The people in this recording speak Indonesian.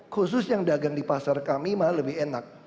khusus yang dagang di pasar kami malah lebih enak